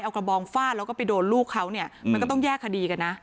เอากระบองฟาดแล้วก็ไปโดนลูกเขาเนี่ยมันก็ต้องแยกคดีกันนะ